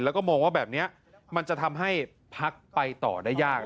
แล้วก็มองว่าแบบนี้มันจะทำให้พักไปต่อได้ยาก